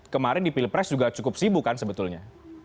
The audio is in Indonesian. kemarin di pilpres juga cukup sibuk kan sebetulnya